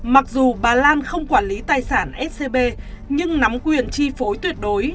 mặc dù bà lan không quản lý tài sản scb nhưng nắm quyền chi phối tuyệt đối